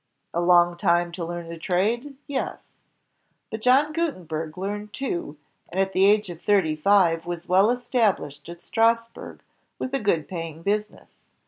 A long time to learn a trade? Yes. But John Guten berg learned two, and at thirty five was well established at Strassburg with a good paying business.